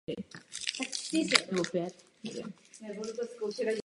Více než dvě desítky let se zabýval teorií a praxí průmyslového designu a architektury.